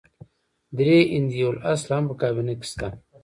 درې هندي الاصله هم په کابینه کې شته.